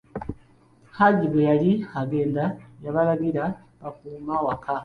Haji bwe yali agenda, yabalagira bakume awaka.